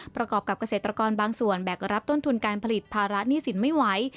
ประกอบกับเกษตรกรบางส่วนแบกรับต้นทุนการผลิตภาระหนี้สินไม่ไหว